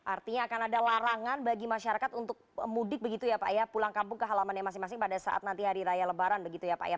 artinya akan ada larangan bagi masyarakat untuk mudik begitu ya pak ya pulang kampung ke halaman yang masing masing pada saat nanti hari raya lebaran begitu ya pak ya